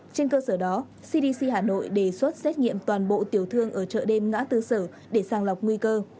trên cơ sở đó cdc hà nội đề xuất xét nghiệm toàn bộ tiểu thương ở chợ đêm ngã tư sở để sàng lọc nguy cơ